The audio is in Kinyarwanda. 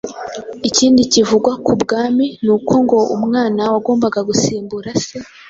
Ikindi kivugwa k’ubwami ni uko ngo umwana wagombaga gusimbura se